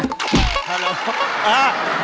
ฮัลโหล